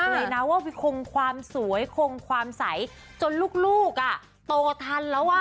เลยนะว่าคงความสวยคงความใสจนลูกอ่ะโตทันแล้วอ่ะ